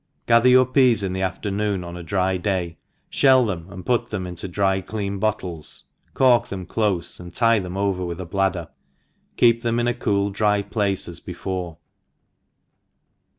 GATHER your peas in the afternoon, on a dry day ; fhell them, and put them into dry clean bottles, cork them clofe, and tie them over with a bladder 5 keep them in a cool dry place as before.